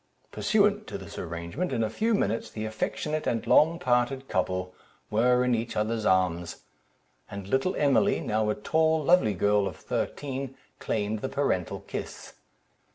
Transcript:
Pursuant to this arrangement, in a few minutes the affectionate and long parted couple were in each other's arms; and little Emily, now a tall, lovely girl of thirteen, claimed the parental kiss.